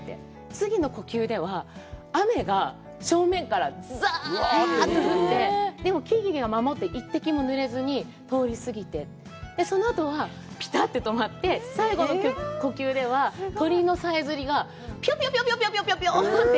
次の呼吸では、雨が正面からざぁっと降って、でも、木々が守って一滴もぬれずに通り過ぎて、その後はピタッて止まって、最後の呼吸では、鳥のさえずりがピヨピヨ、ピヨピヨッて。